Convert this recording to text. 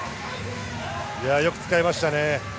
よく使いましたね。